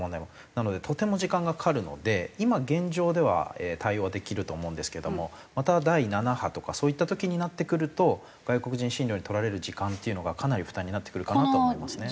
なのでとても時間がかかるので今現状では対応はできると思うんですけどもまた第７波とかそういった時になってくると外国人診療に取られる時間っていうのがかなり負担になってくるかなと思いますね。